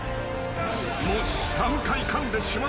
［もし］